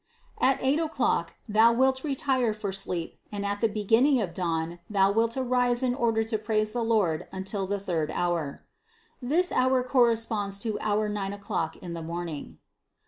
At eight o'clock thou wilt retire for sleep and at the beginning of dawn thou wilt arise in order to praise the Lord until the third hour (this hour corresponds to our nine o'clock in the morning).